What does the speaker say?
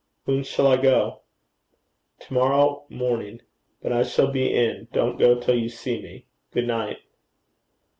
'When shall I go?' 'To morrow morning. But I shall be in. Don't go till you see me. Good night.'